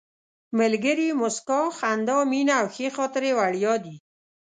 ملګري، موسکا، خندا، مینه او ښې خاطرې وړیا دي.